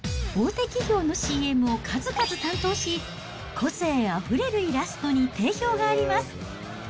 大手企業のＣＭを数々担当し、個性あふれるイラストに定評があります。